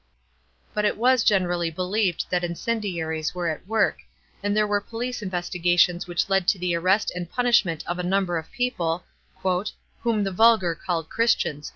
But it was generally believed. that incemliaries were at work, and there were police investigations which led to the arrest and punishment of a number of people ''whom the vulgar called Christians."